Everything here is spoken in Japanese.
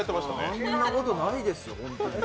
あんなことないです、本当に。